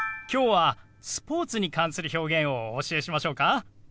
今日はスポーツに関する表現をお教えしましょうか？